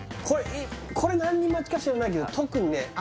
これこれ何人待ちか知らないけど特にね